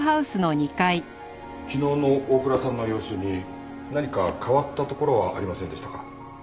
昨日の大倉さんの様子に何か変わったところはありませんでしたか？